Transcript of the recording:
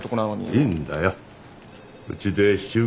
いいんだようちで引き受けたんだ。